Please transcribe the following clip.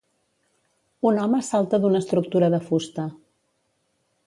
Un home salta d'una estructura de fusta.